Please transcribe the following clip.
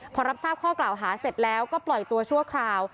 พอรับทราบข้อกล่าวหาเสร็จแล้วก็ปล่อยตัวชั่วคราว